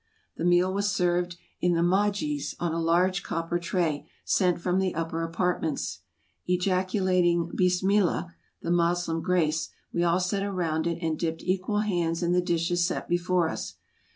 The meal was served in the majlis on a large copper tray, sent from the upper apartments. Ejacu lating " Bismillah "— the Moslem grace — we all sat around it, and dipped equal hands in the dishes set before us.